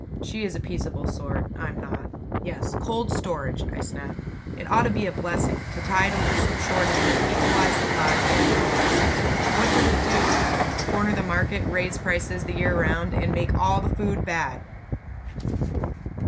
She is a peaceable sort; I'm not. "Yes, cold storage!" I snapped. "It ought to be a blessing to tide over shortages, equalize supplies, and lower prices. What does it do? Corner the market, raise prices the year round, and make all the food bad!"